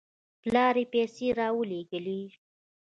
پلار یې پیسې راولېږلې.